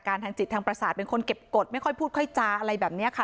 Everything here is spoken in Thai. ทางจิตทางประสาทเป็นคนเก็บกฎไม่ค่อยพูดค่อยจาอะไรแบบนี้ค่ะ